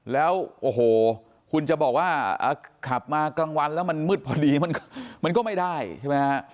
แล้วโอ้โหคุณจะบอกว่าขับมากลางวันแล้วมันมืดพอดีมันก็ไม่ได้ใช่ไหมฮะ